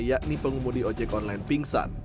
yakni pengemudi ojek online pingsan